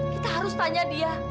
kita harus tanya dia